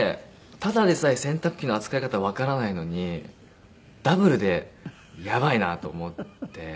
ただでさえ洗濯機の扱い方わからないのにダブルでやばいなと思って。